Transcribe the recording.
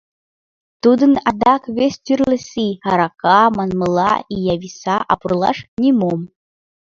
Тудын адак вес тӱрлӧ сий: арака, манмыла, ия виса, а пурлаш — нимом.